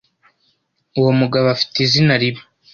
Uwo mugabo afite izina ribi.